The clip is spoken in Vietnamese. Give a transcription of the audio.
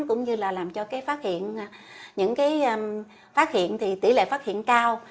cũng như làm cho tỷ lệ phát hiện cao